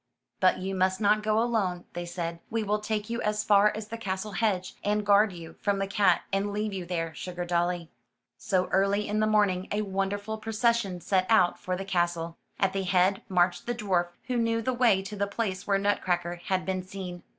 "But you must not go alone," they said, "we will take you as far as the castle hedge, and guard you from the cat and leave you there, Sugardolly." 105 MY BOOK HOUSE So, early in the morning, a wonderful procession set out for the castle. At the head marched the dwarf who knew the way to the place where Nutcracker had been seen.